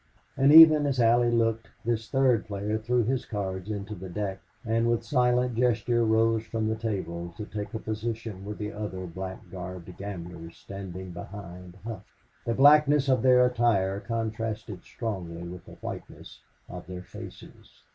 And even as Allie looked this third player threw his cards into the deck and with silent gesture rose from the table to take a position with the other black garbed gamblers standing behind Hough. The blackness of their attire contrasted strongly with the whiteness of their faces.